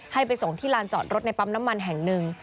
ให้ไปส่งที่ลานจอดรถในปั๊มน้ำมันแห่งหนึ่ง